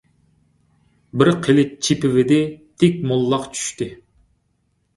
بىر قىلىچ چېپىۋىدى، تىك موللاق چۈشتى.